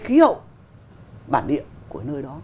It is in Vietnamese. nó phải phù hợp với cái ý hậu bản địa của nơi đó